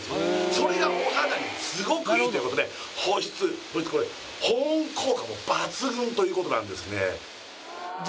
それがお肌にすごくいいということで保湿保温効果も抜群ということなんですね